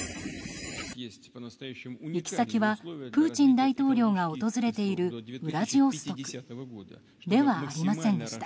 行き先は、プーチン大統領が訪れているウラジオストクではありませんでした。